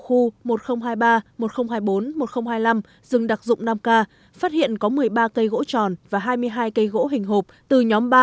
khu một nghìn hai mươi ba một nghìn hai mươi bốn một nghìn hai mươi năm rừng đặc dụng nam ca phát hiện có một mươi ba cây gỗ tròn và hai mươi hai cây gỗ hình hộp từ nhóm ba